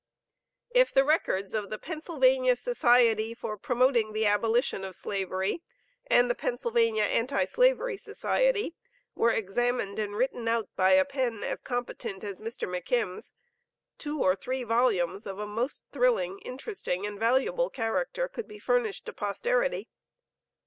If the records of the Pennsylvania Society for Promoting the Abolition of Slavery, and the Pennsylvania Anti slavery Society were examined and written out by a pen, as competent as Mr. McKim's, two or three volumes of a most thrilling, interesting, and valuable character could be furnished to posterity.